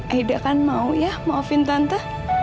aida kan mau ya maafin tante